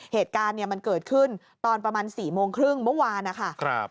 เหตุการณ์เนี่ยมันเกิดขึ้นตอนประมาณ๔โมงครึ่งเมื่อวานนะคะ